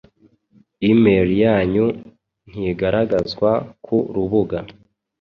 Email yanyu ntigaragazwa ku rubuga